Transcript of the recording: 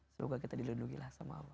semoga kita dilindungilah sama allah